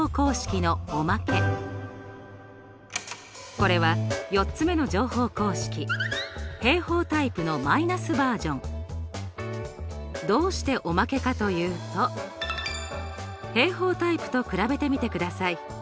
これは４つ目の乗法公式どうしておまけかというと平方タイプと比べてみてください。